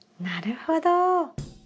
なるほど。